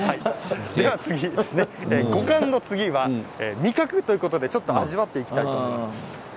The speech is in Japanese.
五感の次は味覚ということで味わっていきたいと思います。